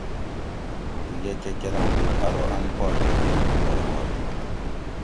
مُوٹو یہ کہ کۤرم ارو ان پا پھریکی کُووئ وا دِت